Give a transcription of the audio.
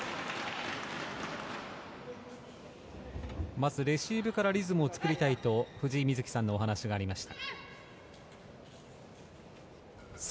まずレシーブからリズムを作りたいと藤井瑞希さんのお話がありました。